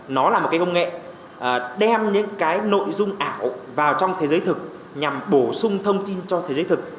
nó là một cái công nghệ đem những cái nội dung ảo vào trong thế giới thực nhằm bổ sung thông tin cho thế giới thực